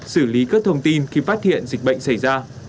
xử lý các thông tin khi phát hiện dịch bệnh xảy ra